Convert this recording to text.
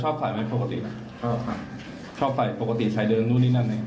ชอบใส่ไหมปกตินะครับชอบใส่ปกติใส่เดินนู่นนี่นั่นไหม